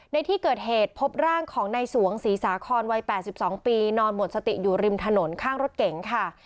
ในที่เกิดเหตุพบร่างของในสวงศรีสาคอนวัย๘๒ปีนอนหมดสติอยู่ริมถนนข้างรถเก๋งค่ะ